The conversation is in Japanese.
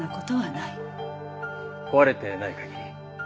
壊れてない限り。